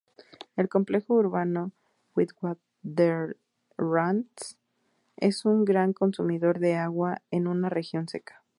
El complejo urbano Witwatersrand es un gran consumidor de agua en una región seca.